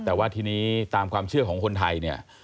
แต่ว่าทีนี้ตามความเชื่อของคนไทยเนี่ย